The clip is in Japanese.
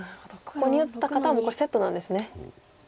ここに打った方はこれセットなんですね。